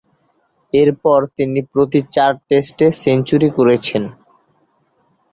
এরপর তিনি প্রতি চার টেস্টে সেঞ্চুরি করেছেন।